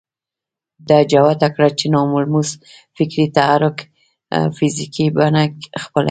ده جوته کړه چې ناملموس فکري تحرک فزيکي بڼه خپلوي.